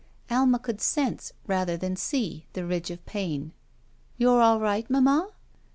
Alma could sense, rather than see, the ridge of pain. "You're all right, mamma?"